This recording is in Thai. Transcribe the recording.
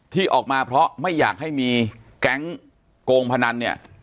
ที่ออกมาเพราะไม่อยากให้มีแก๊งโกงพนันเนี่ย